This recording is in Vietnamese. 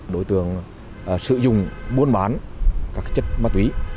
đối tượng sử dụng buôn bán các chất ma túy